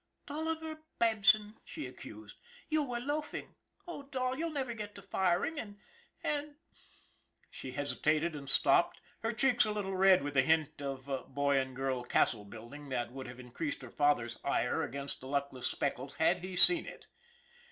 Dolivar Babson," she accused, " you were loaf ing. Oh, Dol, you'll never get to firing, and and " She hesitated and stopped, her cheeks a little red with the hint of boy and girl castle building that would have increased her father's ire against the luck less Speckles had he seen it.